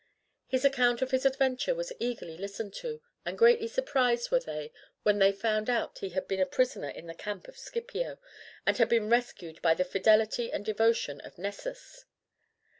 His account of his adventure was eagerly listened to, and greatly surprised were they when they found that he had been a prisoner in the camp of Scipio, and had been rescued by the fidelity and devotion of Nessus.